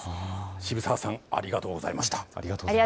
渋沢さん、ありがとうございます。